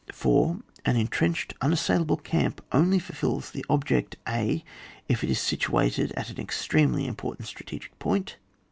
4. An entrenched unassailable camp only fulfils the object — a. If it is situated at an extremely im portant strategic point.